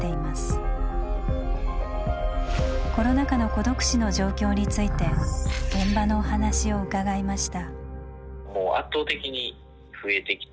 コロナ禍の「孤独死」の状況について現場のお話を伺いました。